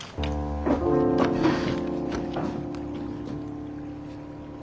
はあ。